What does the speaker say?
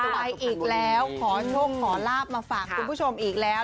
ไปอีกแล้วขอโชคขอลาบมาฝากคุณผู้ชมอีกแล้ว